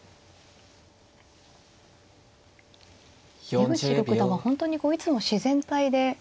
出口六段は本当にこういつも自然体で。